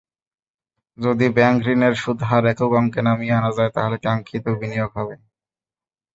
যদি ব্যাংকঋণের সুদহার একক অঙ্কে নামিয়ে আনা যায়, তাহলে কাঙ্ক্ষিত বিনিয়োগ হবে।